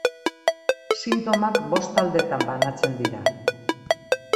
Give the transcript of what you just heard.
Sintomak bost taldetan banatzen dira.